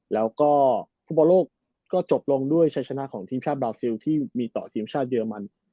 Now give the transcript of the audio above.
แล้วก็ฟุตบอลโลกก็จบลงด้วยชัยชนะของทีมชาติบราซิลที่มีต่อทีมชาติเยอรมัน